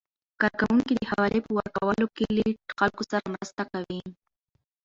کارکوونکي د حوالې په ورکولو کې له خلکو سره مرسته کوي.